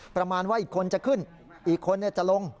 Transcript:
ประมาณว่าอีกคนจะขึ้นอีกคนจะลง